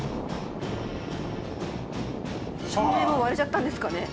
照明も割れちゃったんですかね。